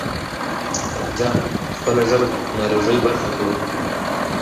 راځه خپله ژبه د ټکنالوژۍ برخه کړو.